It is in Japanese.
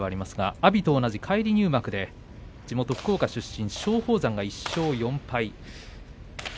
阿炎と同じ返り入幕で地元福岡出身の松鳳山が１勝４敗。